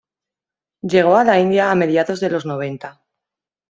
Llegó a la India a mediados de los noventa.